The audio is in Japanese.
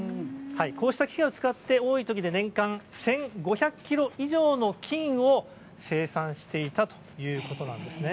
こうした機械を使って、多いときで年間１５００キロ以上の金を生産していたということなんですね。